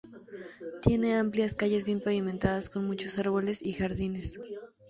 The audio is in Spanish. Tiene amplias calles bien pavimentadas, con muchos árboles y jardines.